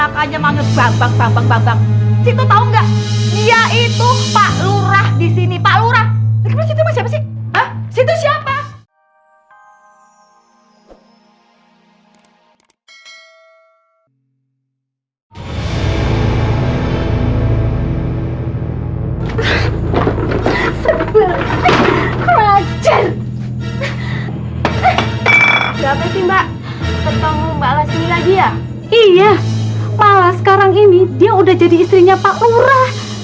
sampai jumpa di video selanjutnya